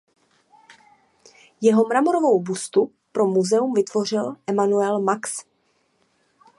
Jeho mramorovou bustu pro muzeum vytvořil Emanuel Max.